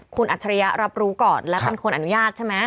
คุณอัจฉริยะรับรู้ก่อนและเป็นคนอนุญาตใช่ไหม